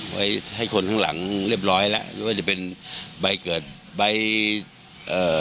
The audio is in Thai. ไว้ให้คนข้างหลังเรียบร้อยแล้วไม่ว่าจะเป็นใบเกิดใบเอ่อ